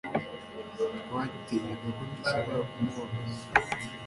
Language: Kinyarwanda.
Twatinyaga ko dushobora kumubabaza